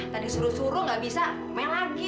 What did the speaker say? tadi suruh suruh nggak bisa main lagi